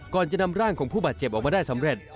ก่อนจะนำร่างของผู้บาดเจ็บออกมาได้สำเร็จ